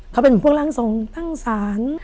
เขาเป็นพวกร่างทรงตั้งศาล